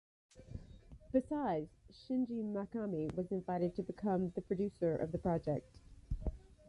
Besides, Shinji Mikami was invited to become the producer of the project.